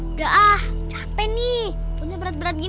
udah ah capek nih punya berat berat gini